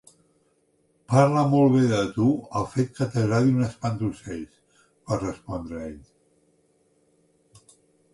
"Parla molt bé de tu el fet que t'agradi un espantaocells", va respondre ell.